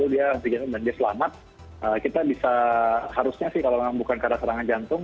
kita bisa harusnya sih kalau memang bukan karena serangan jantung dia bisa baik baik saja ya tapi kita harus cegah dengan cara pasang henti jantung